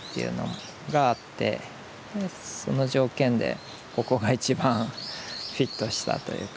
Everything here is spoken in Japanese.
その条件でここが一番フィットしたというか。